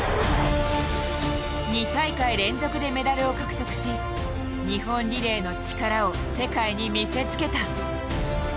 ２大会連続でメダルを獲得し日本リレーの力を世界に見せつけた。